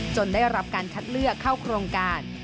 ได้รับการคัดเลือกเข้าโครงการ